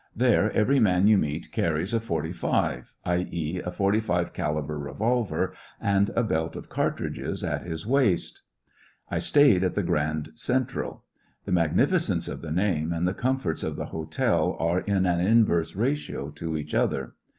There every man yoti meet carries a ^^ forty five," i,e., a 45 caliber revolver, and a belt of cartridges at his waist ''I stayed at the Grand Central. The mag nificence of the name and the comforts of the hotel are in an inverse ratio to each other.